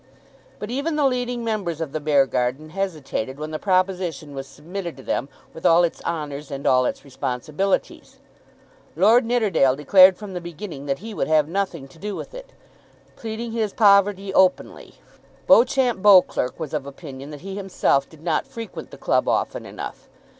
But even the leading members of the Beargarden hesitated when the proposition was submitted to them with all its honours and all its responsibilities. Lord Nidderdale declared from the beginning that he would have nothing to do with it, pleading his poverty openly. Beauchamp Beauclerk was of opinion that he himself did not frequent the club often enough.